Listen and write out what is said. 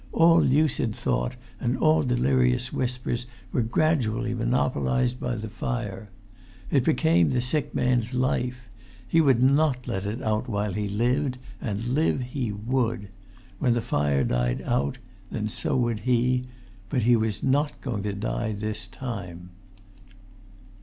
All lucid thought and all delirious whispers were gradually monopolised by the fire. It became the sick man's life. He would not let it out while he lived. And live he would. When the fire died out, then so would he. But he was not going to die this time.